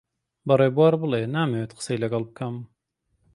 بە ڕێبوار بڵێ نامەوێت قسەی لەگەڵ بکەم.